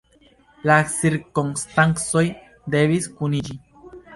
La cirkonstancoj devis kuniĝi.